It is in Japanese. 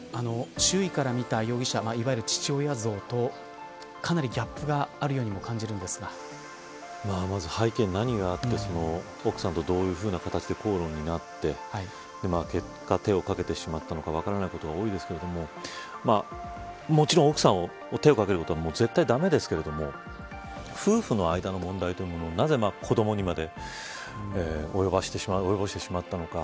周囲から見た容疑者いわゆる父親像とかなりギャップがあるようにもまず、背景に何があって奥さんと、どういうふうな形で口論になって結果、手をかけてしまったのか分からないことが多いですけれどももちろん、奥さんに手をかけることは絶対、駄目ですけど夫婦の間の問題というものをなぜ子どもにまで及ぼしてしまったのか。